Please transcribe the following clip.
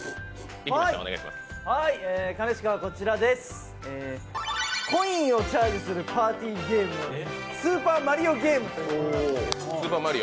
兼近はこちらです、コインをチャージするパーティーゲーム、スーパーマリオゲームという。